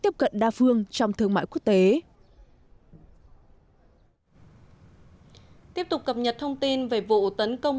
tiếp cận đa phương trong thương mại quốc tế tiếp tục cập nhật thông tin về vụ tấn công